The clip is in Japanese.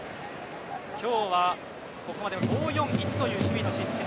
今日は、ここまで５−４−１という守備のシステム。